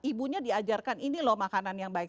ibunya diajarkan ini loh makanan yang baik